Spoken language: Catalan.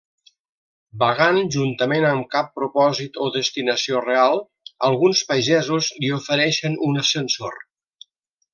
Vagant juntament amb cap propòsit o destinació real, alguns pagesos li ofereixen un ascensor.